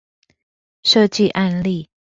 設計案例